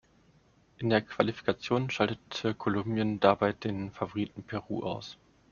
In der Qualifikation schaltete Kolumbien dabei den Favoriten Peru aus.